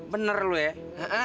bener lu ya